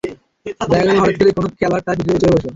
দেখা গেল হঠাৎ করে কোনো খেলোয়াড় তাঁর পিঠের ওপর চড়ে বসল।